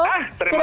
terima kasih juga